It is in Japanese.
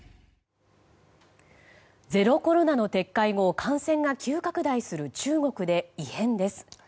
ゼロコロナの撤回後感染が急拡大する中国で異変です。